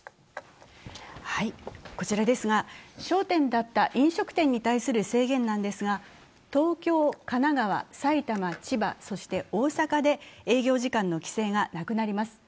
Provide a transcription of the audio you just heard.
焦点だった飲食店に対する制限なんですが、東京、神奈川、埼玉、千葉、そして大阪で営業時間の規制がなくなります。